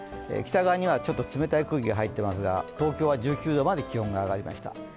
北側にはちょっと冷たい空気が入っていますが、東京は１９度まで気温が上がりました。